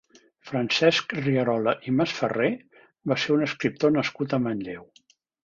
Francesc Rierola i Masferrer va ser un escriptor nascut a Manlleu.